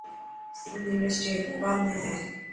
سنڌ يونيورسٽي حيدرآباد ۾ هي.